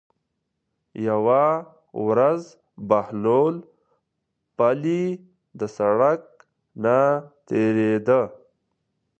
یوه ورځ بهلول پلي د سړک نه تېرېده.